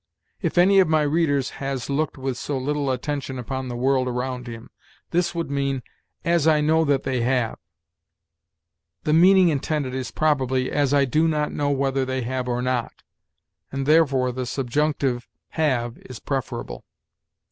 'If any of my readers has looked with so little attention upon the world around him'; this would mean 'as I know that they have.' The meaning intended is probably 'as I do not know whether they have or not,' and therefore the subjunctive 'have' is preferable.